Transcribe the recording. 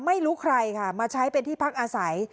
ไม่รู้ใครค่ะมาใช้เป็นที่พักอาศัย